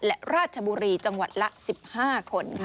และราชบุรีจังหวัดละ๑๕คนค่ะ